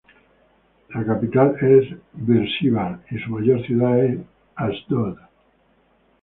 La capital es Beerseba y su mayor ciudad es Asdod.